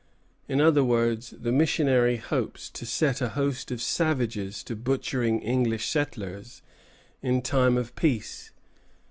In other words, the missionary hopes to set a host of savages to butchering English settlers in time of peace!